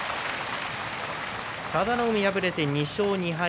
佐田の海、敗れて２勝２敗。